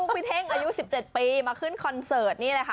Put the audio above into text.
พี่เท่งอายุ๑๗ปีมาขึ้นคอนเสิร์ตนี่แหละค่ะ